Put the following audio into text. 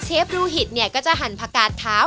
เชฟลูหิตเนี่ยก็จะหันผักกาตเท้า